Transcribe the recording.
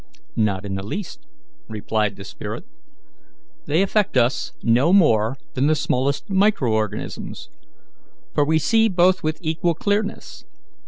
"Not in the least," replied the spirit. "They affect us no more than the smallest micro organism, for we see both with equal clearness.